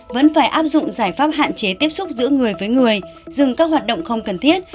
vẫn phải áp dụng giải pháp hạn chế tiếp xúc giữa người với người dừng các hoạt động không cần thiết